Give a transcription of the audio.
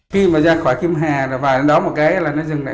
khi mà ra khỏi kim hạ vài lần đó một cái là nó dừng lại